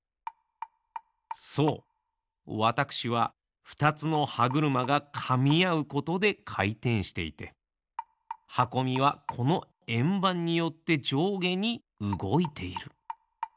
そうわたくしはふたつのはぐるまがかみあうことでかいてんしていてはこみはこのえんばんによってじょうげにうごいている。